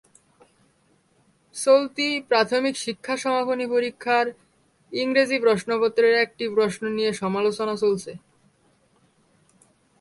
চলতি প্রাথমিক শিক্ষা সমাপনী পরীক্ষার ইংরেজি প্রশ্নপত্রের একটি প্রশ্ন নিয়ে সমালোচনা চলছে।